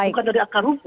bukan dari akar rumput